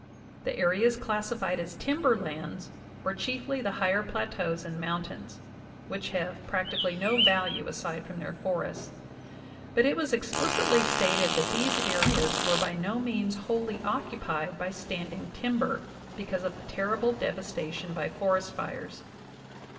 The areas classified as timber lands were chiefly the higher plateaus and mountains, which have prac tically no value aside from their forests ; but it was explicitly stated that these areas were by no means wholly occupied by standjng timber, because of the terrible devastation by forest fires.